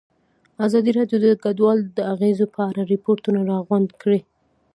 ازادي راډیو د کډوال د اغېزو په اړه ریپوټونه راغونډ کړي.